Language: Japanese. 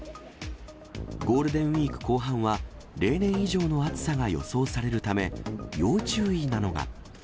ゴールデンウィーク後半は、例年以上の暑さが予想されるため、要注意なのが。